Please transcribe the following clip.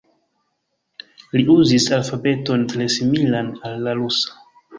Li uzis alfabeton tre similan al la rusa.